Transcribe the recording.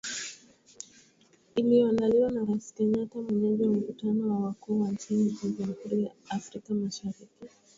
Iliyoandaliwa na Rais Kenyatta mwenyeji wa mkutano wa wakuu wa nchi za Jamhuri ya Afrika Mashariki.